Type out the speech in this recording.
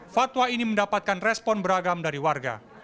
fatwa ini mendapatkan respon beragam dari warga